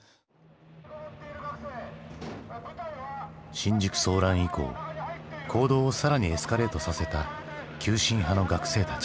新宿騒乱以降行動を更にエスカレートさせた急進派の学生たち。